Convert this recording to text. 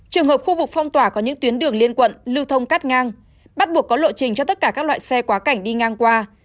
trường hợp khu vực phong tỏa có những tuyến đường liên quận lưu thông cát ngang bắt buộc có lộ trình cho tất cả các loại xe quá cảnh đi ngang qua